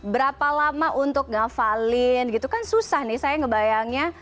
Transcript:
berapa lama untuk ngafalin gitu kan susah nih saya ngebayangnya